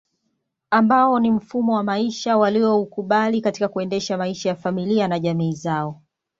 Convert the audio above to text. Ambao ni mfumo wa maisha walioukubali katika kuendesha maisha ya familia na jamii zao